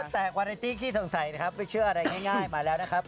แต่วาเรตี้ขี้สงสัยนะครับไม่เชื่ออะไรง่ายมาแล้วนะครับ